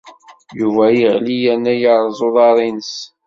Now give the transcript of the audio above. Yuba yeɣli yerna yerreẓ uḍar-nnes.